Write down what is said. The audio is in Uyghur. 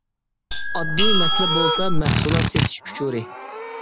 ئاددىي مەسىلە بولسا مەھسۇلات سېتىش ئۇچۇرى.